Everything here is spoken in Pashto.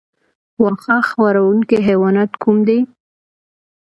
واښه خوړونکي حیوانات کوم دي؟